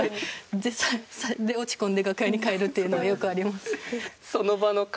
で落ち込んで楽屋に帰るっていうのはよくあります。